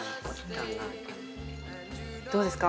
どうですか？